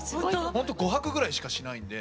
ほんと５泊ぐらいしかしないんで。